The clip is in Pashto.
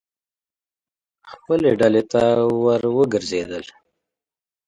خپلې ډلې ته ور وګرځېدل.